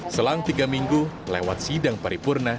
selang tiga minggu lewat sidang paripurna